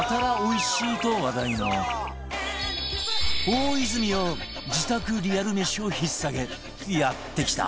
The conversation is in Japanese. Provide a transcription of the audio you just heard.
大泉洋自宅リアルメシを引っ提げやって来た